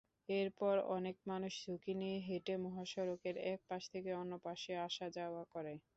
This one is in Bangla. এরপরও অনেক মানুষ ঝুঁকি নিয়ে হেঁটে মহাসড়কের একপাশ থেকে অন্যপাশে আসা-যাওয়া করে।